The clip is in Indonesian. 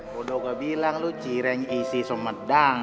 kau udah gak bilang lu cireng isi somedang